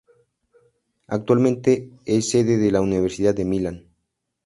Actualmente es sede de la Universidad de Milán.